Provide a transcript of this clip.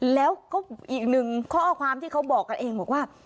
แล้วก็อีกหนึ่งข้อความที่เขาบอกกันเองบอกว่า